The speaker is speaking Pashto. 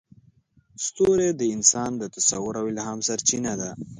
ستوري د انسان د تصور او الهام سرچینه ده.